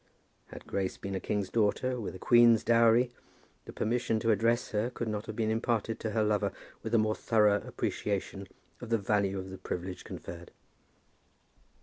Had Grace been a king's daughter, with a queen's dowry, the permission to address her could not have been imparted to her lover with a more thorough appreciation of the value of the privilege conferred.